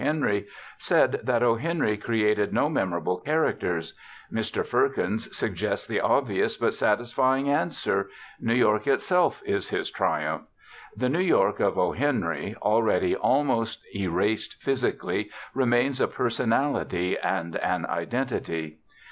Henry," said that O. Henry created no memorable characters. Mr. Firkins suggests the obvious but satisfying answer New York itself is his triumph. The New York of O. Henry, already almost erased physically, remains a personality and an identity.